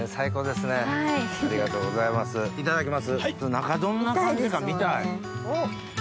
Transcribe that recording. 中どんな感じか見たい。